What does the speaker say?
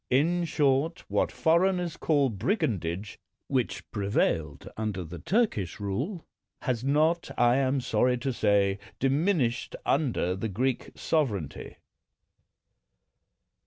In short, what foreigners call brig andage, which prevailed under the Turkish rule, has not, I am sorry to say, diminished under the Greek sovereignty.